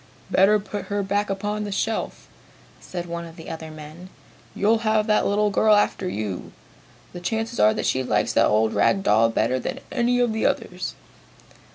"Better put her back upon the shelf," said one of the other men. "You'll have the little girl after you! The chances are that she likes that old rag doll better than any of the others!"